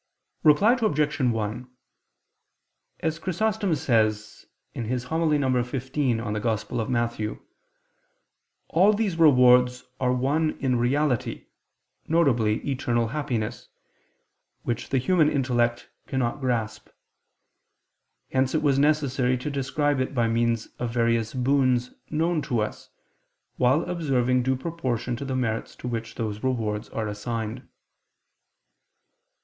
Reply Obj. 1: As Chrysostom says (Hom. xv in Matth.), all these rewards are one in reality, viz. eternal happiness, which the human intellect cannot grasp. Hence it was necessary to describe it by means of various boons known to us, while observing due proportion to the merits to which those rewards are assigned.